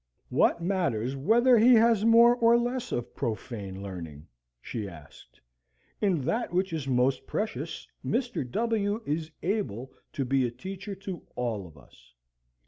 "What matters whether he has more or less of profane learning?" she asked; "in that which is most precious, Mr. W. is able to be a teacher to all of us.